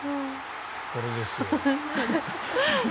これですよ。